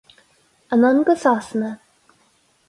Anonn go Sasana.